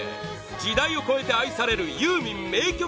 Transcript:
時代を超えて愛されるユーミン名曲